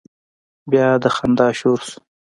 بيا د خندا شور شو.